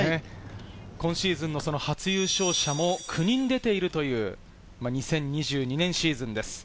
今シーズンの初優勝者も９人出ているという、２０２２年シーズンです。